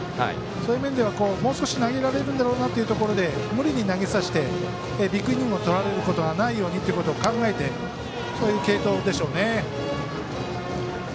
そういう面ではもう少し投げられるんだろうなというところで無理に投げさせてビッグイニングをとられることがないようにと考えてこういう継投でしょうね。